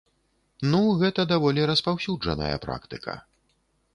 Ну, гэта даволі распаўсюджаная практыка.